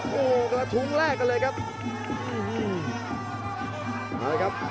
กระทุ้งแรกกันเลยครับ